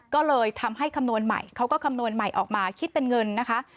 ก็เลยทำให้คำนวณใหม่เขาก็คำนวณใหม่ออกมาคิดเป็นเงินนะคะ